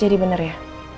jadi bener ya